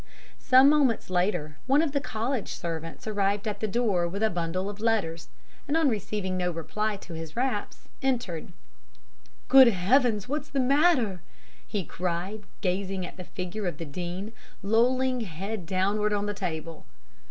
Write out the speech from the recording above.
Some moments later one of the College servants arrived at the door with a bundle of letters, and on receiving no reply to his raps, entered. "'Good heavens! What's the matter?' he cried, gazing at the figure of the Dean, lolling head downward on the table.